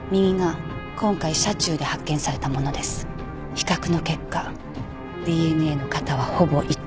比較の結果ＤＮＡの型はほぼ一致。